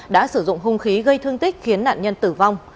đã sử dụng hung khí gây thương tích khiến nạn nhân tử vong